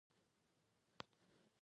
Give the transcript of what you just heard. چاکلېټ د زیږون پر ورځ تحفه کېږي.